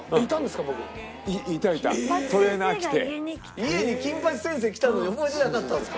家に金八先生来たのに覚えてなかったんですか？